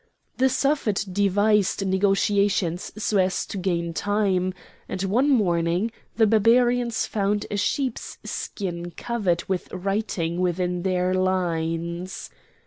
The Suffet devised negotiations so as to gain time, and one morning the Barbarians found a sheep's skin covered with writing within their lines.